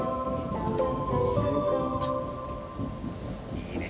いいね。